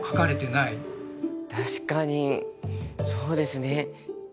確かにそうですね。